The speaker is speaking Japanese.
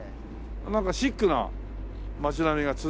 なんかシックな町並みが続きますね。